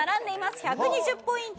１２０ポイント。